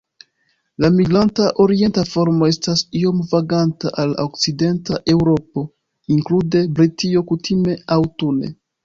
La migranta orienta formo estas iom vaganta al okcidenta Eŭropo, inklude Britio, kutime aŭtune.